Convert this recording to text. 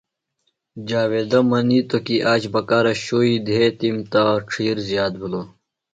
جاویدہ منیتو آج بکارہ شُوئی دھیتِم تہ ڇھیر زیات بِھلوۡ۔